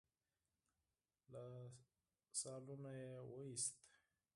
له سالونه يې وايست.